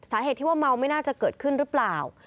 สาเหตุที่ว่าเมาไม่น่าจะเกิดขึ้นหรือเปล่า